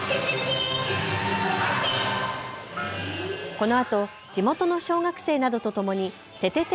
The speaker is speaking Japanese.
このあと地元の小学生などとともにててて！